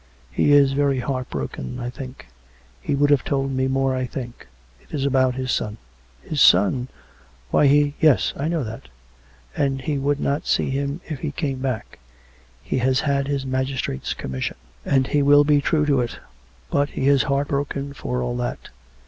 He is very heart broken, I think. He would have told me more, I think. It is about his son." " His son ! Why, he "" Yes ; I know that. And he would not see him if he came back. He has had his magistrate's commission; and he will be true to it. But he is heart broken for all that.